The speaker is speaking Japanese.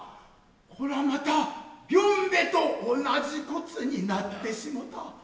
こらまたよんべと同じ事になってしもた。